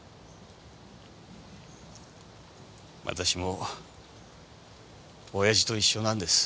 私も親父と一緒なんです。